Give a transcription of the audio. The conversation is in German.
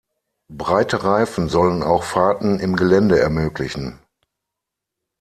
Breite Reifen sollen auch Fahrten im Gelände ermöglichen.